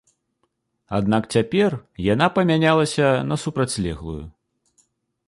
Аднак цяпер яна памянялася на супрацьлеглую.